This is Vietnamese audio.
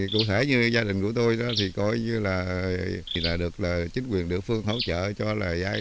cụ thể như gia đình của tôi thì coi như là được chính quyền địa phương hỗ trợ cho lời giấy